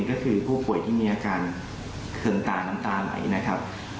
ก็คือผู้ป่วยที่มีอาการเคืองตาน้ำตาไหลนะครับ